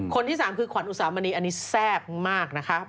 คนที่สามคือขวัญอุสามณีอันนี้แทรกมากนะครับ